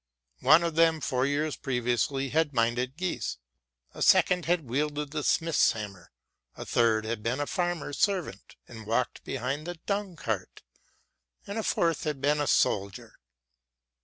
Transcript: One of them four years previously had minded geese, a second had wielded the smith's hammer, a third had been a farmer's servant and walked behind the dung cart, and a fourth had been a soldier.